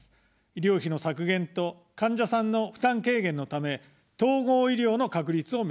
医療費の削減と患者さんの負担軽減のため、統合医療の確立を目指します。